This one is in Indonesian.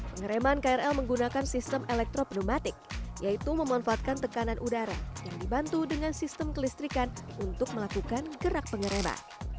pengereman krl menggunakan sistem elektropnematik yaitu memanfaatkan tekanan udara yang dibantu dengan sistem kelistrikan untuk melakukan gerak pengereman